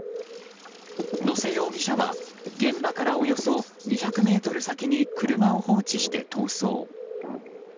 野瀬容疑者は現場からおよそ２００ｍ先に車を放置して逃走。